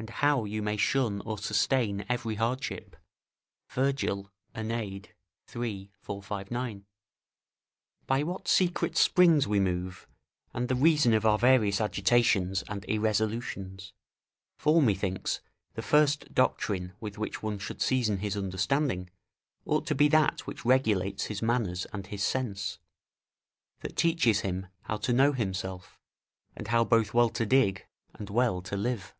["And how you may shun or sustain every hardship." Virgil, AEneid, iii. 459.] by what secret springs we move, and the reason of our various agitations and irresolutions: for, methinks the first doctrine with which one should season his understanding, ought to be that which regulates his manners and his sense; that teaches him to know himself, and how both well to dig and well to live.